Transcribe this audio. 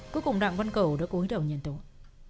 cuối cùng đoạn văn cầu đã cuối đầu nhận tội